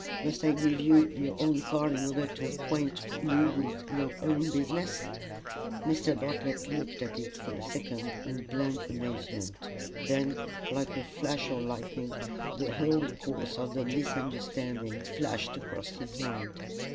Must I give you your own card in order to acquaint you with your own business?" Mr. Bartlett looked at it for a second in blank amazement; then, like a flash of lightning, the whole course of the misunderstanding flashed across his mind.